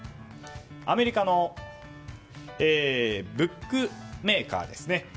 アメリカのブックメーカーですね。